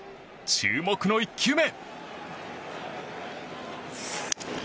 注目の１球目。